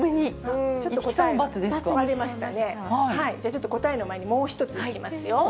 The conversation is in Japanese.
ちょっと答えの前に、もう１ついきますよ。